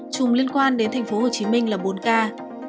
trùng liên quan đến thành phố hồ chí minh là bốn ca